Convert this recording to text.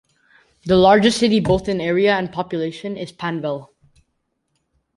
The largest city both in area and population is Panvel.